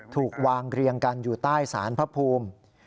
ถูกวางเรียงกันอยู่ใต้สารพระภูมิ